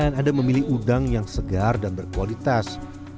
anda memilih udang yang segar dan berkualitas